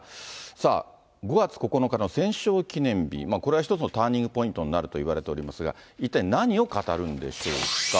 さあ、５月９日の戦勝記念日、これは一つのターニングポイントになるといわれておりますが、一体何を語るんでしょうか。